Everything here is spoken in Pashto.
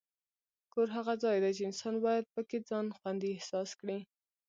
کور هغه ځای دی چې انسان باید پکې ځان خوندي احساس کړي.